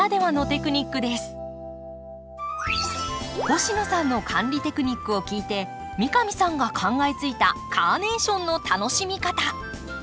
星野さんの管理テクニックを聞いて三上さんが考えついたカーネーションの楽しみ方。